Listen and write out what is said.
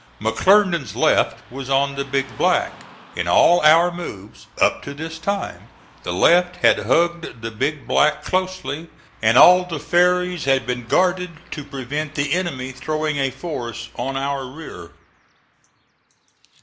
McClernand's left was on the Big Black. In all our moves, up to this time, the left had hugged the Big Black closely, and all the ferries had been guarded to prevent the enemy throwing a force on our rear.